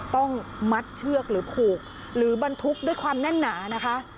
ต้องมัดเชือกหรือผูกหรือบรรทุกด้วยความแน่นหนานะคะ